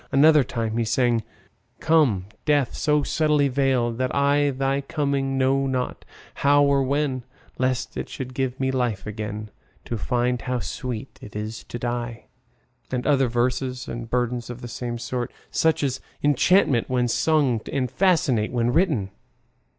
Another time he sang: Come Death, so subtly veiled that I Thy coming know not, how or when, Lest it should give me life again To find how sweet it is to die. —and other verses and burdens of the same sort, such as enchant when sung and fascinate when written.